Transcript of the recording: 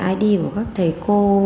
id của các thầy cô